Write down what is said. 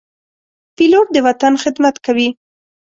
پیلوټ د وطن خدمت کوي.